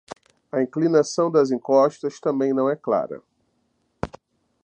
A inclinação das encostas também não é clara.